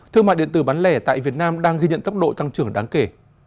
thương mại điện tử bán lẻ tại việt nam đang ghi nhận tốc độ tăng trưởng đáng kể